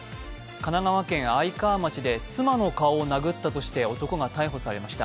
神奈川県愛川町で妻の顔を殴ったとして男が逮捕されました。